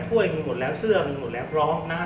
ถ้วยมีหมดแล้วเสื้อมีหมดแล้วร้อง